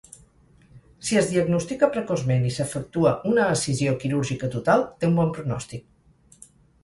Si es diagnostica precoçment i s'efectua una escissió quirúrgica total, té un bon pronòstic.